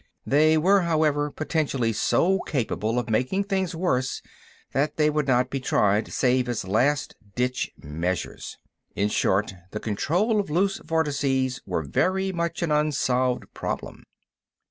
They were, however, potentially so capable of making things worse that they would not be tried save as last ditch measures. In short, the control of loose vortices was very much an unsolved problem.